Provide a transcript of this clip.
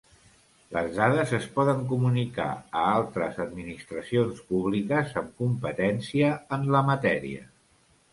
Les dades es poden comunicar a altres administracions públiques amb competència en la matèria.